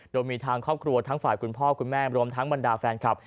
โดยมีทางครอบครัวทั้งฝ่ายคุณพ่อคุณแม่รวมทั้งบรรดาแฟนคลับ